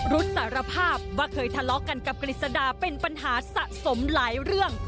รับสารภาพว่าเคยทะเลาะกันกับกฤษดาเป็นปัญหาสะสมหลายเรื่อง